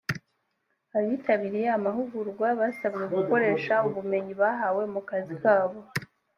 abitabiriye amahugurwa basabwe gukoresha ubumenyi bahawe mu kazi kabo